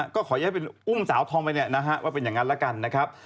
ก็ขอแยกเป็นอุ้มสาวธอมไปว่าเป็นอย่างนั้นแล้วกัน